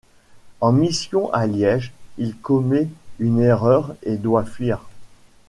En mission à Liège, il commet une erreur et doit fuir.